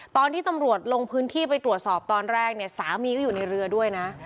ตอนที่ตำรวจลงพื้นที่ไปตรวจสอบตอนแรกเนี่ยสามีก็อยู่ในเรือด้วยนะ